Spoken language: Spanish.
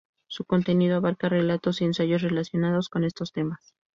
Su contenido abarca relatos y ensayos relacionados con estos temas.